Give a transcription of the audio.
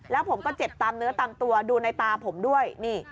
แล้วผมก็เจ็บตามเนื้อตามตัวดูในตาผมด้วยนี่